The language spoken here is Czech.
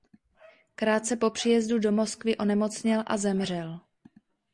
Krátce po příjezdu do Moskvy onemocněl a zemřel.